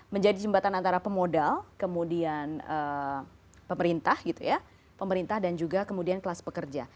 menjadi jembatan antara pemodal kemudian pemerintah dan juga kemudian kelas pekerja